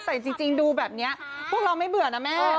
แต่จริงดูแบบนี้พวกเราไม่เบื่อนะแม่